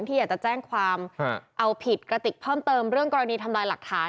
ที่อยากจะแจ้งความเอาผิดกระติกเพิ่มเติมเรื่องกรณีทำลายหลักฐาน